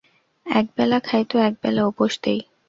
এক বেলা খাই তো এক বেলা উপোস দেই।